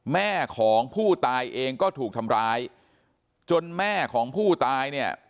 แม่ของผู้ตายเองก็ถูกทำร้ายจนแม่ของผู้ตายเนี่ย